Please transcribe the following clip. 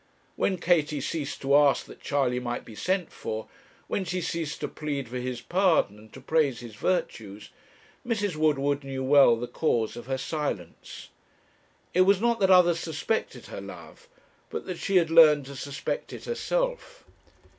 When Katie ceased to ask that Charley might be sent for, when she ceased to plead for his pardon and to praise his virtues, Mrs. Woodward knew well the cause of her silence. It was not that others suspected her love, but that she had learned to suspect it herself.